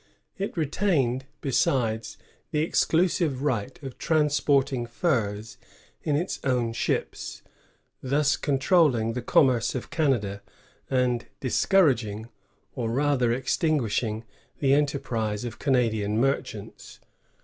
It retained, besides, the exclusive right of transporting furs in its own ships, — thus controlling the commerce of Canada, and discouraging, or rather extinguishing, the enter prise of Canadian merchants.